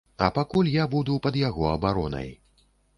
А пакуль я буду пад яго абаронай.